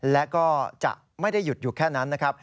และก็จะไม่ได้หยุดอยู่แค่นั้นนะครับ